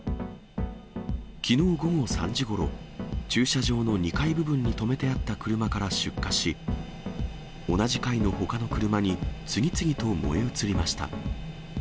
きのう午後３時ごろ、駐車場の２階部分に止めてあった車から出火し、同じ階のほかの車に次々と燃え移りました。